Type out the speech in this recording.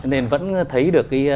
nên vẫn thấy được